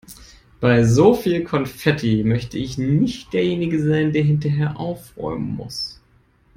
Bei so viel Konfetti möchte ich nicht derjenige sein, der hinterher aufräumen muss.